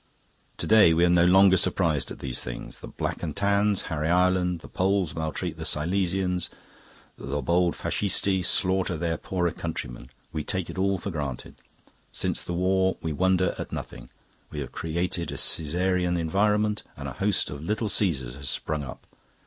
To day we are no longer surprised at these things. The Black and Tans harry Ireland, the Poles maltreat the Silesians, the bold Fascisti slaughter their poorer countrymen: we take it all for granted. Since the war we wonder at nothing. We have created a Caesarean environment and a host of little Caesars has sprung up.